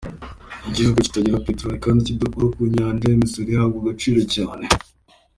Nk’igihugu kitagira peteroli kandi kidakora ku Nyanja, imisoro ihabwa agaciro cyane.